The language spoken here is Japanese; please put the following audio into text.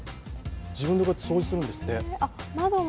自分でこうやって掃除するんですって。